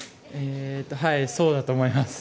そうだと思います。